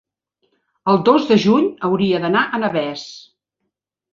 el dos de juny hauria d'anar a Navès.